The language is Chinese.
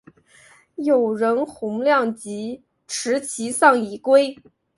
友人洪亮吉持其丧以归。